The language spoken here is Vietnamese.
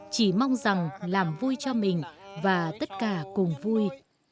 chỉ mong rằng làm vui cho mình và tất cả cùng vui